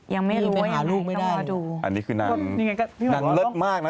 ยังไม่รู้ว่าอย่างไรก็มาดูอันนี้คือนางนางเลิศมากนะ